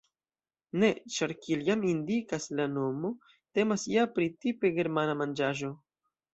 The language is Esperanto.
Ne, ĉar kiel jam indikas la nomo, temas ja pri tipe germana manĝaĵo.